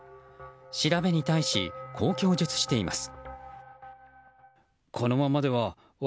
調べに対し、こう供述しています。